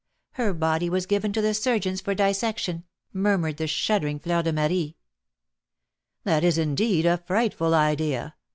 Her body was given to the surgeons for dissection!" murmured the shuddering Fleur de Marie. "That is, indeed, a frightful idea!